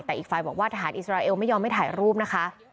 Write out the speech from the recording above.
เพราะว่าอิสราเอลไม่ยอมไม่ถ่ายรูปนะคะ